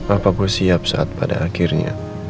apa gue siap saat pada akhirnya